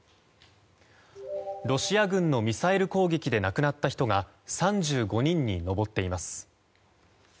ロシア軍のミサイル攻撃で亡くなった人が３５人に上っています。